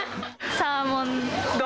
サーモン丼。